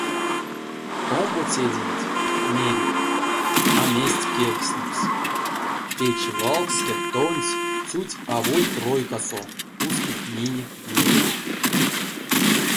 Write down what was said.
Омбоцеденть, мери, а мезть кевкстнемс, течи валске тонсь цють аволь тройкасо ускик минек велев.